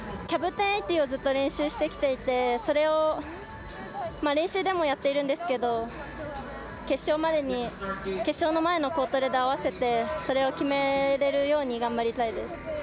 キャブ１０８０をずっと練習してきていてそれを練習でもやっているんですけど決勝までに、決勝の前の合わせて、それを決めれるように頑張りたいです。